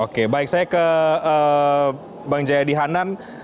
oke baik saya ke bang jaya dihanan